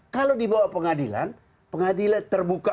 kalau dibawa pengadilan pengadilan terbuka